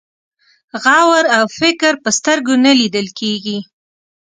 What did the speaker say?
غور او فکر په سترګو نه لیدل کېږي.